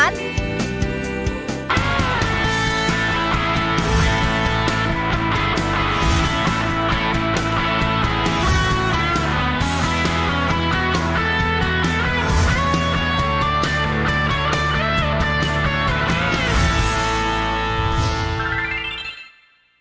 สนับสนับสนับ